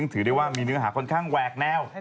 ถือได้ว่ามีเนื้อหาค่อนข้างแหวกแนว